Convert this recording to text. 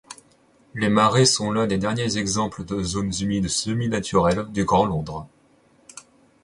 Les marais sont l'un des derniers exemples de zones humides semi-naturelles du Grand Londres.